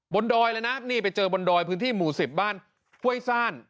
ดอยเลยนะนี่ไปเจอบนดอยพื้นที่หมู่๑๐บ้านห้วยซ่าน